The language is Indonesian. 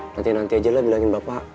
nanti nanti aja lah bilangin bapak